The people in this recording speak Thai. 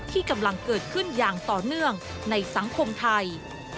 ที่กำลังเกิดขึ้นอย่างต่อเนื่องในสังคมไทย